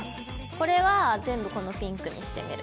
これは全部このピンクにしてみる。